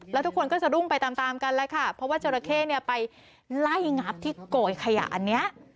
แล้วทุกคนก็สะดุ้งไปตามตามกันแล้วค่ะเพราะว่าจราเข้เนี่ยไปไล่งับที่โกยขยะอันนี้